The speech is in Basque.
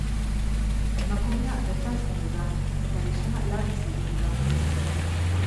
Emakumea bertan zendu da, eta gizona larri zauritu da.